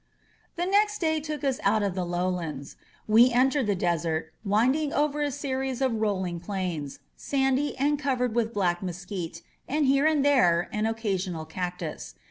The next day took us out of the lowlands. We en tered the desert, winding over a series of rolling plains, sandy and covered with black mesquite and here and there an occasional cactus.